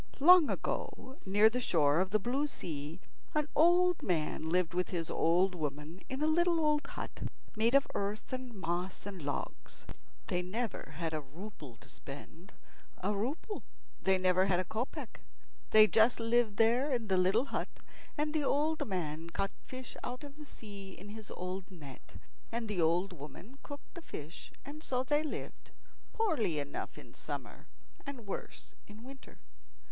Long ago, near the shore of the blue sea, an old man lived with his old woman in a little old hut made of earth and moss and logs. They never had a rouble to spend. A rouble! they never had a kopeck. They just lived there in the little hut, and the old man caught fish out of the sea in his old net, and the old woman cooked the fish; and so they lived, poorly enough in summer and worse in winter.